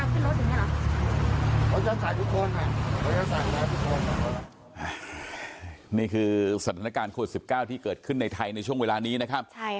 นี่คือสถานการณ์โควิด๑๙ที่เกิดขึ้นในไทยในช่วงเวลานี้นะครับ